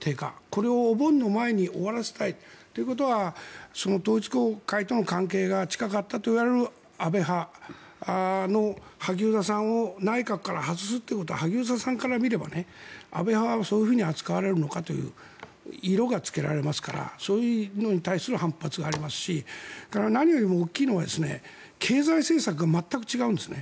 これをお盆の前に終わらせたい。ということはその統一教会との関係が近かったといわれる安倍派の萩生田さんを内閣から外すということは萩生田さんから見れば安倍派はそういうふうに扱われるのかという色がつけられますからそういうのに対する反発がありますし何よりも大きいのは経済政策が全く違うんです。